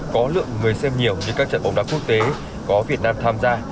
có lượng người xem nhiều như các trận bóng đá quốc tế có việt nam tham gia